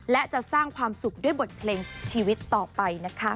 และจะสร้างความสุขด้วยบทเพลงชีวิตต่อไปนะคะ